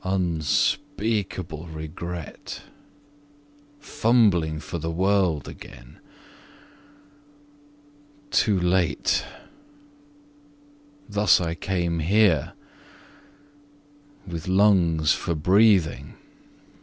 . Unspeakable regret ... fumbling for the world again. Too late! Thus I came here, With lungs for breathing